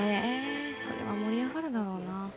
それは盛り上がるだろうな。